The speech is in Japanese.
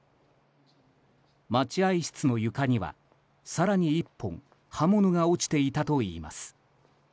待合室の床には更に１本刃物が落ちていたといいます。